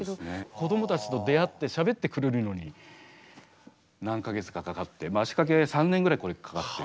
子どもたちと出会ってしゃべってくれるのに何か月かかかって足かけ３年ぐらいこれかかってる。